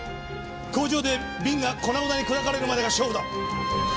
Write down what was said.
工場で瓶が粉々に砕かれるまでが勝負だ。